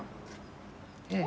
ええ。